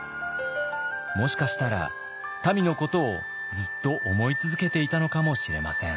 もしかしたらたみのことをずっと思い続けていたのかもしれません。